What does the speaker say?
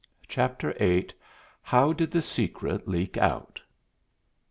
CHAPTER VIII HOW DID THE SECRET LEAK OUT?